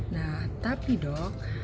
nah tapi dok